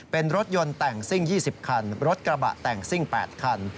เป็นรถยนต์แต่งซิ่ง๒๐คันรถกระบะแต่งซิ่ง๘คัน